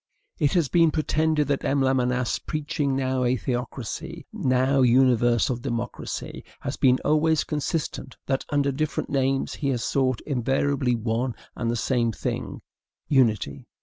It has been pretended that M. Lamennais, preaching now a theocracy, now universal democracy, has been always consistent; that, under different names, he has sought invariably one and the same thing, unity.